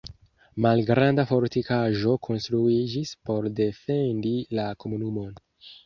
Malgranda fortikaĵo konstruiĝis por defendi la komunumon.